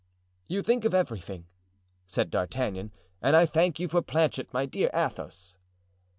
"You think of everything," said D'Artagnan; "and I thank you for Planchet, my dear Athos."